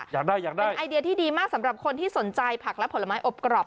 เป็นไอเดียที่ดีมากสำหรับคนที่สนใจผักและผลไม้อบกรอบ